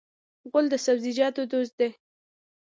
غول د سبزیجاتو دوست دی.